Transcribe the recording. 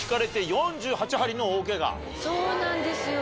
そうなんですよ。